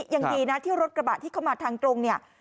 ยังดีนะที่รถกระบะที่เข้ามาทางตรงเนี่ย